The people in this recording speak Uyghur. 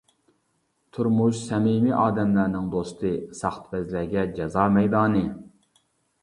تۇرمۇش-سەمىمىي ئادەملەرنىڭ دوستى، ساختىپەزلەرگە جازا مەيدانى.